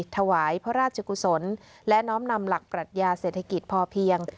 ถวายพระราชกุศลและน้อมนำหลักปรัชญาเศรษฐกิจพอเพียง